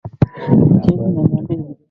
Barack Hussein Obama wa pili